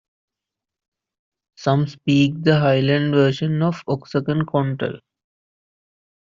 Some speak the highland version of Oaxacan Chontal.